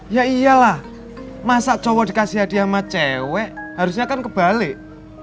ya iyalah masa cowok dikasih hadiah sama cewek harusnya kan kebalik